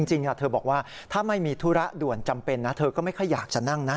จริงเธอบอกว่าถ้าไม่มีธุระด่วนจำเป็นนะเธอก็ไม่ค่อยอยากจะนั่งนะ